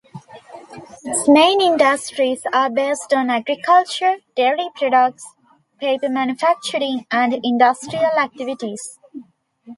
Its main industries are based on agriculture, dairy products, paper manufacturing and industrial activities.